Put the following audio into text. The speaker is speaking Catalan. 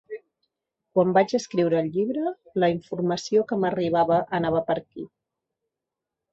Quan vaig escriure el llibre, la informació que m’arribava anava per aquí.